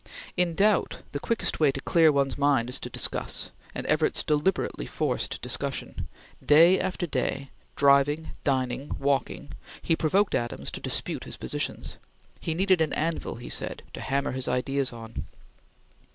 In doubt, the quickest way to clear one's mind is to discuss, and Evarts deliberately forced discussion. Day after day, driving, dining, walking he provoked Adams to dispute his positions. He needed an anvil, he said, to hammer his ideas on.